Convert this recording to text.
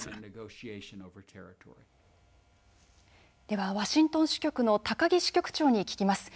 ではワシントン支局の木支局長に聞きます。